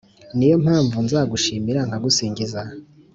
Ni yo mpamvu nzagushimira nkagusingiza,